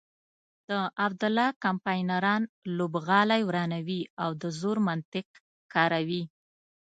د عبدالله کمپاینران لوبغالی ورانوي او د زور منطق کاروي.